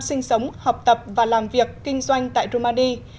sinh sống học tập và làm việc kinh doanh tại romani